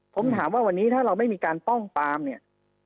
ผมถามว่าวันนี้ถ้าเราไม่มีการป้องปามเนี่ย